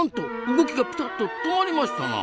動きがピタッと止まりましたな！